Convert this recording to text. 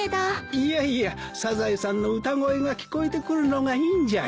いやいやサザエさんの歌声が聞こえてくるのがいいんじゃよ。